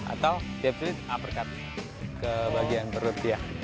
atau jab straight uppercut ke bagian perut ya